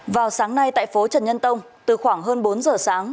vào sáng nay tại phố trần nhân tông từ khoảng hơn bốn giờ sáng